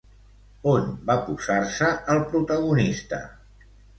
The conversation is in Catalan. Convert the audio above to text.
On va posar-se el protagonista?